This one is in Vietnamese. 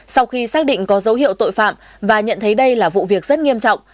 sau khi xác định có dấu hiệu tội phạm và nhận thấy đây là vụ việc rất nghiêm trọng